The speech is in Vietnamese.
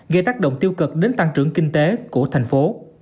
gây tác động tiêu cực đến tăng trưởng kinh tế của thành phố